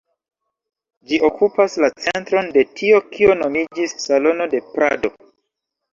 Ĝi okupas la centron de tio kio nomiĝis Salono de Prado.